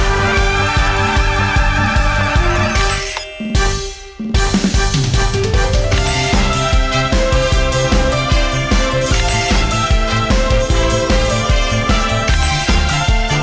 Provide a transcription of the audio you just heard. อ่อมสกราวใจผู้สวัสค่ะ